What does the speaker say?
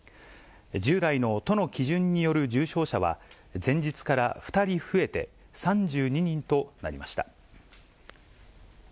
従来の都の基準による重症者は、前日から２人増えて３２人となりました。